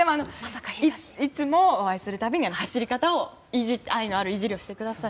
いつもお会いするたびに走り方を愛のあるいじりをしてくださる。